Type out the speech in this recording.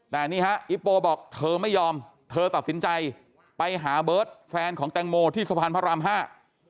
แต่นี่ฮะอิปโปบอกเธอไม่ยอมเธอตัดสินใจไปหาเบิร์ตแฟนของแตงโมที่สะพานพระรามห้า